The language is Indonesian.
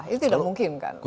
itu tidak mungkin kan